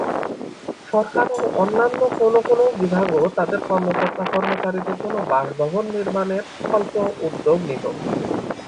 সরকারের অন্যান্য কোনো কোনো বিভাগও তাদের কর্মকর্তা-কর্মচারীর জন্য বাসভবন নির্মাণের স্বল্প উদ্যোগ নিত।